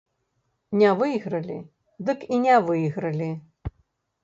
Не выйгралі, дык і не выйгралі.